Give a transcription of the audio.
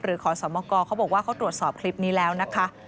ขอสมกรเขาบอกว่าเขาตรวจสอบคลิปนี้แล้วนะคะ